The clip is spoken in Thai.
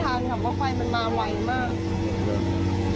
เพราะว่าไฟมันมาไวมาก